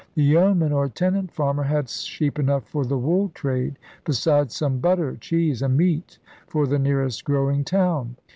The yeoman or tenant farmer had sheep enough for the wool trade besides some butter, cheese, and meat for the nearest growing town.